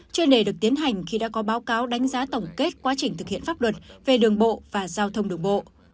chuyên đề được tiến hành khi đã có báo cáo đánh giá tổng kết quá trình thực hiện pháp luật về đường bộ và giao thông đường bộ